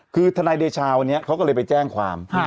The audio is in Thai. คือทนายเดชาวันนี้เขาก็เลยไปแจ้งความ